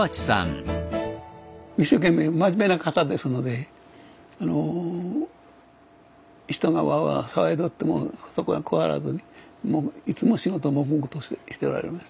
一生懸命真面目な方ですのであの人がワーワー騒いどってもそこは加わらずにもういつも仕事黙々としておられました。